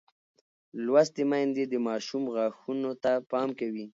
لوستې میندې د ماشوم غاښونو ته پام کوي.